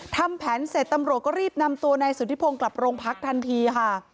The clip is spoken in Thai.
ทำแผนเสร็จตำรวจก็รีบนำตัวนายสุธิพงศ์กลับโรงพักทันทีค่ะ